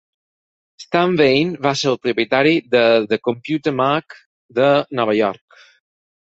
Stan Veit va ser el propietari de The Computer Mark de Nova York.